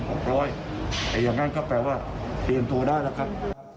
แต่อย่างนั้นก็แปลว่าเตรียมตัวได้แล้วครับ